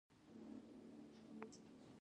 چې چا ته مې ګوته ورکړه،